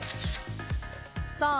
さあ